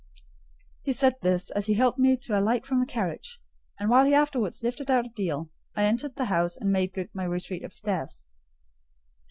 He said this as he helped me to alight from the carriage, and while he afterwards lifted out Adèle, I entered the house, and made good my retreat upstairs.